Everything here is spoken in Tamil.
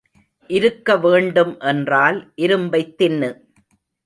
இருக்க வேண்டும் என்றால் இரும்பைத் தின்னு.